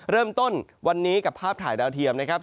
เริ่มต้นวันนี้กับภาพถ่ายดาวเทียมนะครับ